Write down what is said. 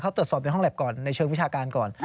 เขาตรวจสอบในห้องแล็บก่อนในเชิงวิชาการก่อน